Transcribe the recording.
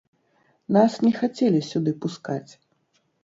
Нас не хацелі сюды пускаць.